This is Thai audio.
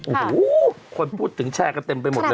โอ้โหคนพูดถึงแชร์กันเต็มไปหมดเลย